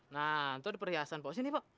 nah itu di perhiasan mpok